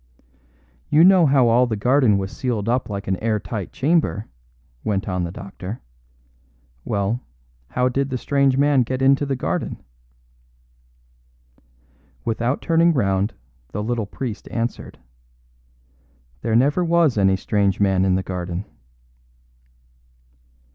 "You know how all the garden was sealed up like an air tight chamber," went on the doctor. "Well, how did the strange man get into the garden?" Without turning round, the little priest answered: "There never was any strange man in the garden."